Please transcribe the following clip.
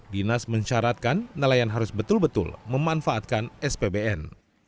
dinas mensyaratkan nelayan harus betul betul memanfaatkan spbn